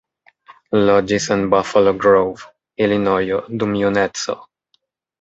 Loĝis en Buffalo Grove, Ilinojo dum juneco.